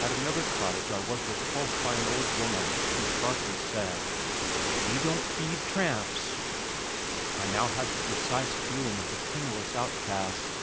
At another cottage I was repulsed by an old woman who sharply said, "We don't feed tramps." I now had the precise feeling of the penniless outcast.